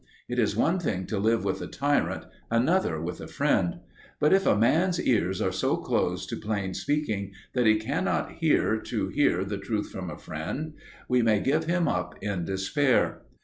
It is one thing to live with a tyrant, another with a friend. But if a man's ears are so closed to plain speaking that he cannot bear to hear the truth from a friend, we may give him up in despair.